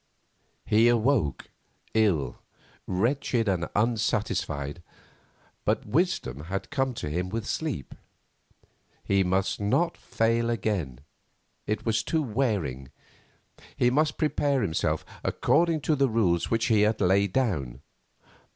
He awoke, ill, wretched, and unsatisfied, but wisdom had come to him with sleep. He must not fail again, it was too wearing; he must prepare himself according to the rules which he had laid down.